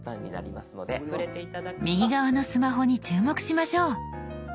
右側のスマホに注目しましょう。